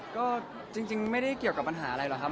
ก็จริงไม่ได้เกี่ยวกับปัญหาอะไรหรอกครับ